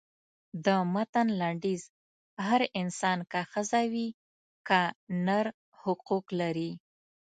د متن لنډیز هر انسان که ښځه وي که نر حقوق لري.